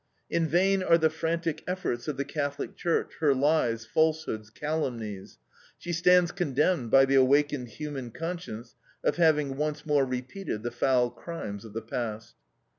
In vain are the frantic efforts of the Catholic Church, her lies, falsehoods, calumnies. She stands condemned by the awakened human conscience of having once more repeated the foul crimes of the past.